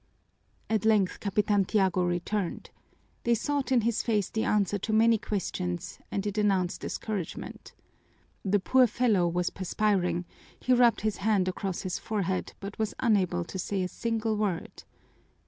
At length Capitan Tiago returned. They sought in his face the answer to many questions, and it announced discouragement. The poor fellow was perspiring; he rubbed his hand across his forehead, but was unable to say a single word.